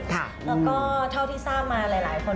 แล้วก็เท่าที่ทราบมาหลายคน